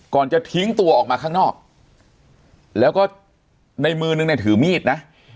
จะทิ้งตัวออกมาข้างนอกแล้วก็ในมือนึงเนี่ยถือมีดนะ